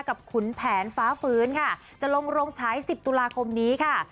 ขุนแผนฟ้าฟื้นค่ะจะลงโรงฉาย๑๐ตุลาคมนี้ค่ะ